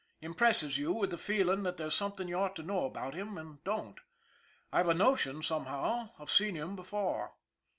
Im presses you with the feeling that there's something you ought to know about him and don't. I've a notion, somehow, I've seen him before."